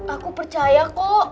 aku percaya kok